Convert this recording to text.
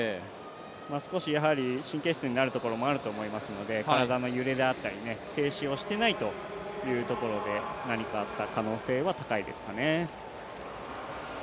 少しやはり神経質になるようなところもあると思いますので体の揺れであったり制止をしていないというところで、何かあった可能性は高いですかね。